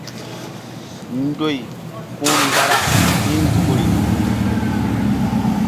Ndoy ku̧ mgbarak hi̧ nzukri.